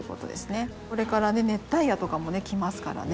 これから熱帯夜とかも来ますからね。